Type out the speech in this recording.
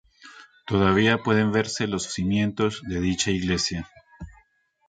Todavía pueden verse los cimientos de dicha iglesia.